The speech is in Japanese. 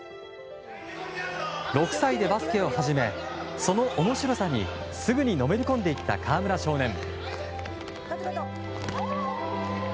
６歳でバスケを始めその面白さにすぐにのめりこんでいった河村少年。